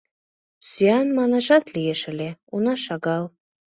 — Сӱан манашат лиеш ыле — уна шагал.